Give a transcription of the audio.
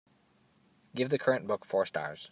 Give the current book four stars